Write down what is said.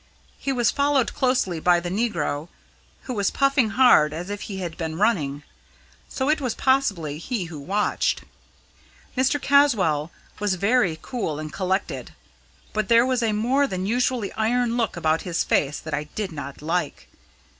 He was followed closely by the negro, who was puffing hard as if he had been running so it was probably he who watched. Mr. Caswall was very cool and collected, but there was a more than usually iron look about his face that I did not like.